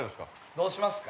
◆どうしますか。